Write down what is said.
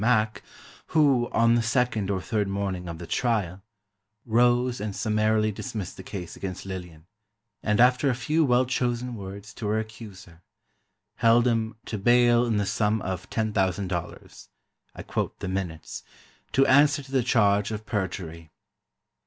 Mack, who, on the second or third morning of the trial, rose and summarily dismissed the case against Lillian, and after a few well chosen words to her accuser, held him "to bail in the sum of $10,000" (I quote the minutes) "to answer to the charge of perjury."